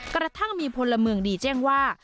กระทั่งมีพลเมืองดีแจ้งว่า